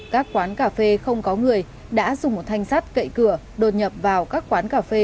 các quán cà phê không có người đã dùng một thanh sắt cậy cửa đột nhập vào các quán cà phê